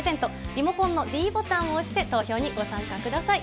リモコンのｄボタンを押して、投票にご参加ください。